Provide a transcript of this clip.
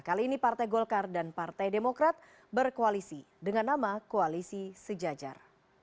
kali ini partai golkar dan partai demokrat berkoalisi dengan nama koalisi sejajar